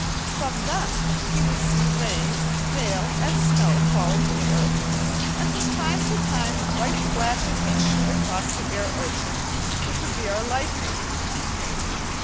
From them he would see rain, hail and snow falling to the earth, and from time to time bright flashes would shoot across the air ocean, which would be our lightning.